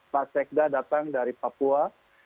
pak sekda datang dari papua